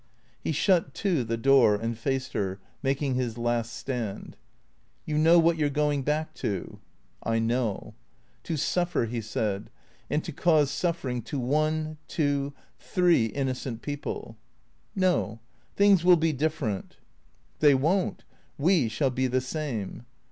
He shut to the door and faced her, making his last stand. " You know what you 're going back to." " I know." " To sufl'er," he said, " and to cause suffering — to one —• two — three — innocent people." " No. Things will be different." " They won't. We shall be the same."